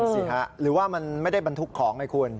เออนั่นสิค่ะหรือว่ามันไม่ได้บรรทุกของไหมคุณ